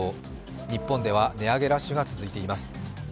日本では値上げラッシュが続いています。